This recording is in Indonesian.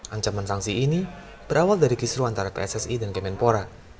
ancaman sanksi ini berawal dari kisru antara pssi dan kemenpora